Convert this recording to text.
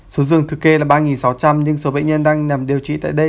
số dường thực kê là ba sáu trăm linh nhưng số bệnh nhân đang nằm điều trị tại đây